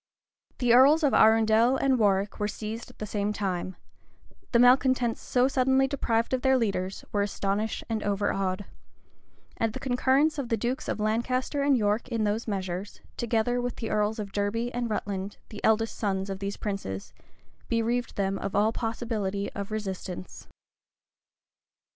[*] The earls of Arundel and Warwick were seized at the same time: the malecontents so suddenly deprived of their leaders, were astonished and overawed; and the concurrence of the dukes of Lancaster and York in those measures, together with the earls of Derby and Rutland, the eldest sons of these princes,[] bereaved them of all possibility of resistance.